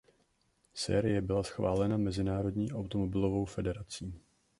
Série byla schválena Mezinárodní automobilovou federací.